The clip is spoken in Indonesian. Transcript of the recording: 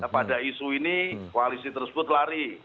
pada isu ini koalisi tersebut lari